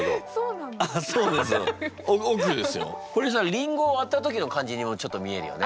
これさりんごを割った時の感じにもちょっと見えるよね。